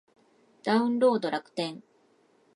ダウンロード楽天